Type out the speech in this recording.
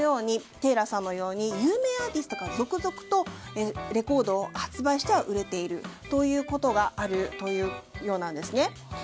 テイラーさんのように有名アーティストが続々とレコードを発売しては売れているということがあるようなんです。